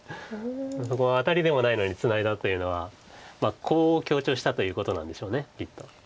そこはアタリでもないのにツナいだというのはコウを強調したということなんでしょうきっと。